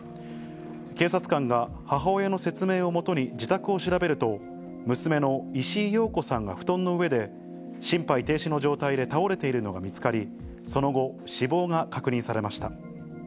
警察官が母親の説明をもとに自宅を調べると、娘の石井庸子さんが布団の上で、心肺停止の状態で倒れているのが見つかり、その後、死亡が確認されました。